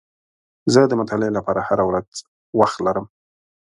زه د مطالعې لپاره هره ورځ وخت لرم.